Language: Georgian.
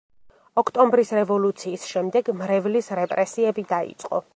ოქტომბრის რევოლუციის შემდეგ მრევლის რეპრესიები დაიწყო.